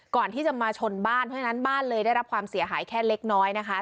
ก่อนที่จะมาชนบ้านเพราะฉะนั้นบ้านเลยได้รับความเสียหายแค่เล็กน้อยนะคะ